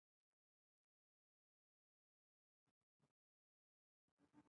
اداره د عامه نظم د ساتنې لپاره کار کوي.